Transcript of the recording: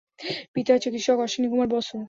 পিতা চিকিৎসক অশ্বিনী কুমার বসু।